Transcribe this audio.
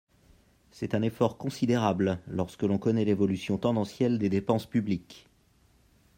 C’est un effort considérable lorsque l’on connaît l’évolution tendancielle des dépenses publiques.